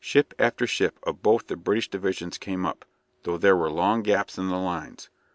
Ship after ship of both the British divisions came up, though there were long gaps in the lines.